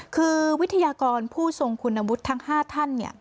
คือวิทยากรผู้ทรงคุณวุฒิทั้ง๕ท่าน